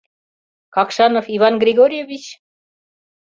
— Какшанов Иван Григорьевич?